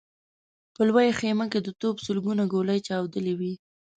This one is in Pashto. په لويه خيمه کې د توپ سلګونه ګولۍ چاودلې وې.